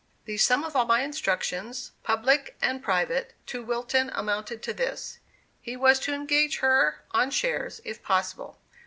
The sum of all my instructions, public and private, to Wilton amounted to this: He was to engage her on shares, if possible.